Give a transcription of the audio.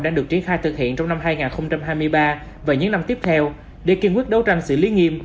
đang được triển khai thực hiện trong năm hai nghìn hai mươi ba và những năm tiếp theo để kiên quyết đấu tranh xử lý nghiêm